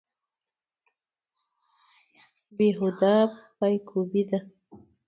بې هوده پایکوبي ده.